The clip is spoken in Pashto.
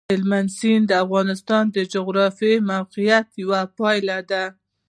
هلمند سیند د افغانستان د جغرافیایي موقیعت یوه پایله ده.